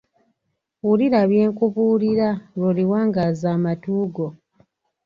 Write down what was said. Wulira bye nkubuulira lw’oliwangaaza amatu go